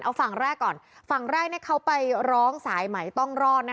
เอาฝั่งแรกก่อนฝั่งแรกเขาไปร้องสายไหมต้องรอดนะคะ